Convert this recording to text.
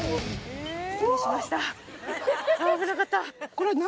失礼しました。